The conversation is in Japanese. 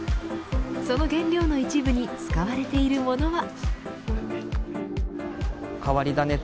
その原料の一部に使われているものは。